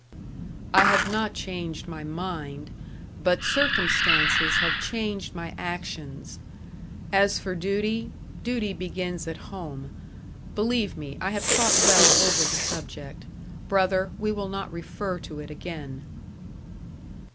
"I have not changed my mind, but circumstances have changed my actions. As for duty duty begins at home. Believe me, I have thought well over the subject. Brother, we will not refer to it again."